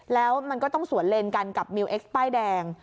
แล้วมันก็ต้องสวนเลนกันกับมิวเอ็กซ์ป้ายแดง